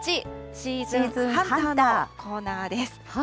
シーズンハンターのコーナーです。